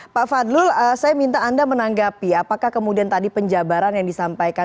pak fadlul saya minta anda menanggapi apakah kemudian tadi penjabaran yang disampaikan